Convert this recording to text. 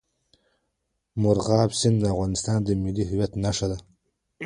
مورغاب سیند د افغانستان د ملي هویت نښه ده.